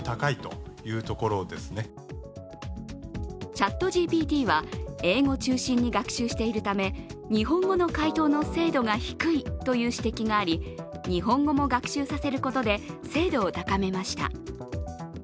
ＣｈａｔＧＰＴは英語中心に学習しているため日本語の回答の精度が低いとの指摘があり、日本語も学習させることで精度も高めました。